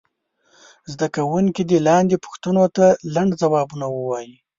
زده کوونکي دې لاندې پوښتنو ته لنډ ځوابونه ووایي.